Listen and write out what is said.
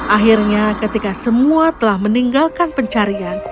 akhirnya ketika semua telah meninggalkan pencarian